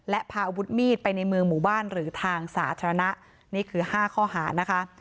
และพาอาวุธมีดไปในเมืองหมู่บ้านหรือทางสาธารณะนี่คือ๕ข้อหานะคะ